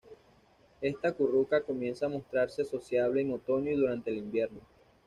Esta curruca comienza a mostrarse sociable en otoño y durante el invierno.